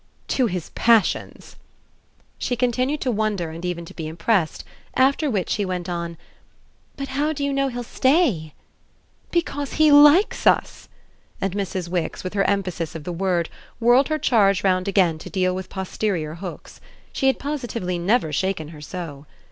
"To his passions." She continued to wonder and even to be impressed; after which she went on: "But how do you know he'll stay?" "Because he likes us!" and Mrs. Wix, with her emphasis of the word, whirled her charge round again to deal with posterior hooks. She had positively never shaken her so.